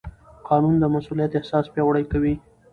قانون د مسوولیت احساس پیاوړی کوي.